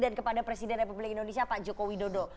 dan kepada presiden republik indonesia pak jokowi dodo